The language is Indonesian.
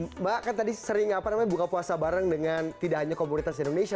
mbak kan tadi sering apa namanya buka puasa bareng dengan tidak hanya komunitas indonesia